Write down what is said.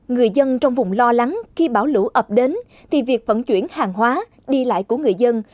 người dân trong vùng lo lắng khi bão lũ ập đến thì việc vận chuyển hàng hóa đi lại của người dân